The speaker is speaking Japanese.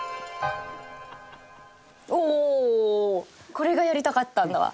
これがやりたかったんだわ。